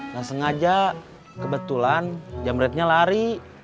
nah sengaja kebetulan jamretnya lari